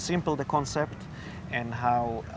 betapa mudah konsepnya